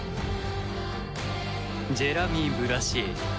ジェラミー・ブラシエリ。